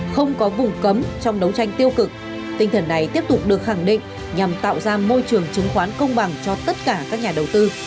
không có vùng cấm trong đấu tranh tiêu cực tinh thần này tiếp tục được khẳng định nhằm tạo ra môi trường chứng khoán công bằng cho tất cả các nhà đầu tư